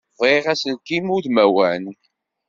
Bɣiɣ aselkim udmawan.